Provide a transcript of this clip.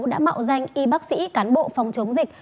đã mạo danh y bác sĩ cán bộ phòng chống dịch